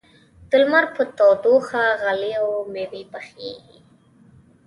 د لمر په تودوخه غلې او مېوې پخېږي.